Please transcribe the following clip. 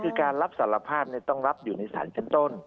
คือการรับสารภาพต้องรับอยู่ในสารชั้นต้น